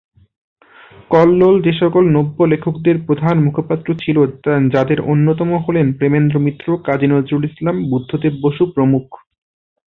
কল্লোল যেসকল নব্য-লেখকদের প্রধান মুখপাত্র ছিল, যাদের অন্যতম হলেন প্রেমেন্দ্র মিত্র, কাজী নজরুল ইসলাম, বুদ্ধদেব বসু প্রমুখ।